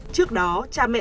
trước đó cha mẹ